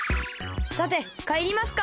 さてかえりますか。